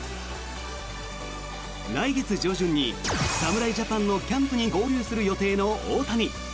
来月上旬に、侍ジャパンのキャンプに合流する予定の大谷。